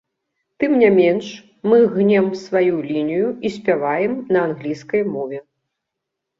Тым не менш, мы гнем сваю лінію і спяваем на англійскай мове.